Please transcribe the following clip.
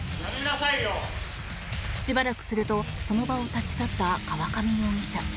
しばらくするとその場を立ち去った河上容疑者。